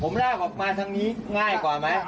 ผมลากออกมาทางนี้ง่ายกว่าไหม